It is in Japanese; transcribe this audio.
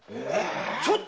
ちょっと！